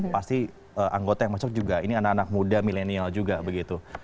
pasti anggota yang masuk juga ini anak anak muda milenial juga begitu